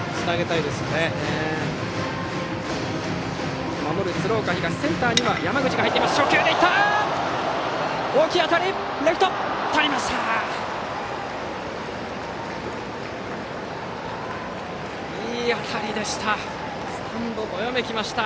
いい当たりでした。